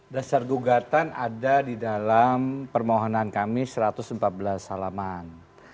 dasar gugatan ada di dalam permohonan kami satu ratus empat belas salaman